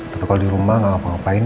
tapi kalau dirumah gak apa apa ya